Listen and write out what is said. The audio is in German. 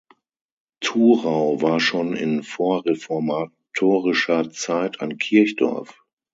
Thurau war schon in vorreformatorischer Zeit ein Kirchdorf.